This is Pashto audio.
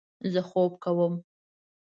زه خوب کوم